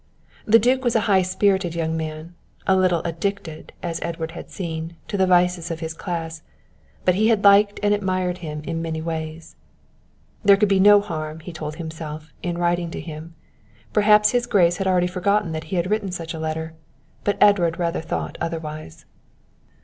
The duke was a high spirited young man, a little addicted, as Edward had seen, to the vices of his class, but he had liked and admired him in many ways. There could be no harm, he told himself, in writing to him. Perhaps his grace had already forgotten that he had written such a letter; but Edward rather thought otherwise.